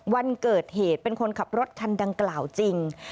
วันเกิดเหตุเป็นคนขับรถคันดังกล่าวจริง